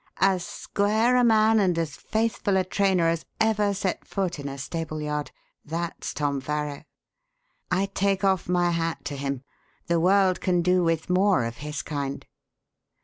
As square a man and as faithful a trainer as ever set foot in a stable yard that's Tom Farrow. I take off my hat to him. The world can do with more of his kind."